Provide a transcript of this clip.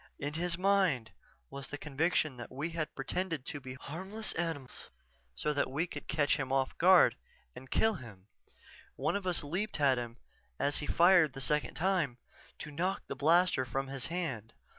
In his mind was the conviction that we had pretended to be harmless animals so that we could catch him off guard and kill him. One of us leaped at him as he fired the second time, to knock the blaster from his hand.